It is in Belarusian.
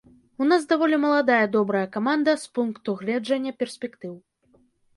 У нас даволі маладая, добрая каманда з пункту гледжання перспектыў.